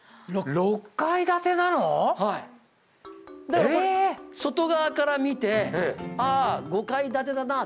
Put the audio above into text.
だからこれ外側から見てああ５階建てだな。